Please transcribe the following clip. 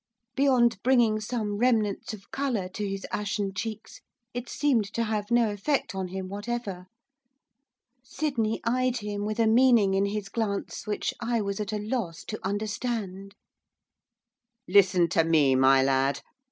Beyond bringing some remnants of colour to his ashen cheeks it seemed to have no effect on him whatever. Sydney eyed him with a meaning in his glance which I was at a loss to understand. 'Listen to me, my lad.